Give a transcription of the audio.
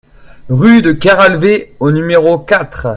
Rue de Keralvé au numéro quatre